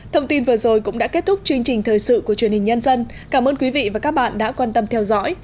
thông tin vừa rồi cũng đã kết thúc chương trình thời sự của truyền hình nhân dân cảm ơn quý vị và các bạn đã quan tâm theo dõi